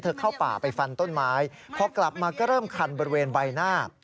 เข้าป่าไปฟันต้นไม้พอกลับมาก็เริ่มคันบริเวณใบหน้า